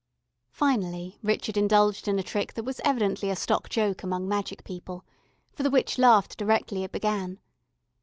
Finally Richard indulged in a trick that was evidently a stock joke among magic people, for the witch laughed directly it began.